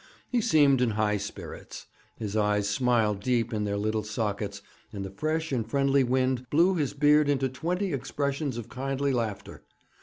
He seemed in high spirits. His eyes smiled deep in their little sockets, and the fresh and friendly wind blew his beard into twenty expressions of kindly laughter.